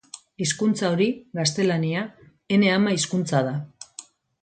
Hizkuntza hori, gaztelania, ene ama-hizkuntza da.